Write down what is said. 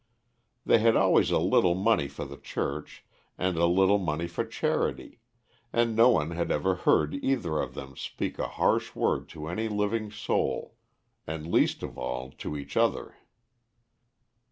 They had always a little money for the church, and a little money for charity, and no one had ever heard either of them speak a harsh word to any living soul, and least of all to each other.